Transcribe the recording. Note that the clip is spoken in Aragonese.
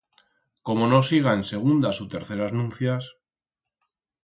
Como no siga en segundas u terceras nuncias...